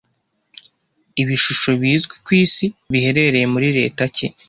Ibishusho bizwi ku isi biherereye muri Leta ki